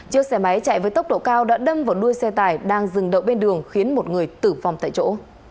chiếc xe máy chạy với tốc độ cao đã đâm vào đuôi xe tải đang dừng đậu bên đường khiến một người tử vong tại chỗ